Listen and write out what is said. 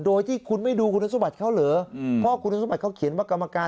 โดยที่คุณไม่ดูคุณสมบัติเขาเหรอเพราะคุณสมบัติเขาเขียนว่ากรรมการ